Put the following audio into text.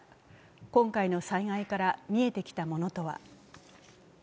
今回の災害から見えてきたものとは。